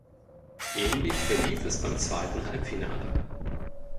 Ähnlich verlief es beim zweiten Halbfinale.